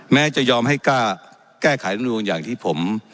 แม้จะยอมให้กล้าแก้ไขลำนูนอย่างที่ผม